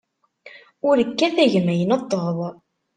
Ur kkat, a gma, ineṭṭeḍ.